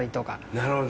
なるほど。